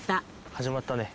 始まったね。